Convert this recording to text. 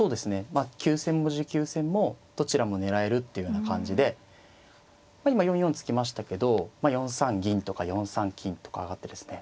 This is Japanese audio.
急戦も持久戦もどちらも狙えるっていうような感じで今４四突きましたけど４三銀とか４三金とか上がってですね